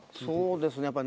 そうですね。